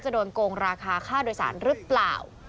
โดนโกงราคาค่าโดยสารหรือเปล่า